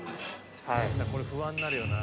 これ不安になるよな。